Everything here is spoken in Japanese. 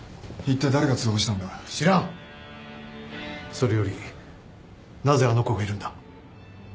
それよりなぜあの子がいるんだ？